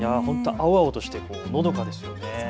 青々としてのどかですよね。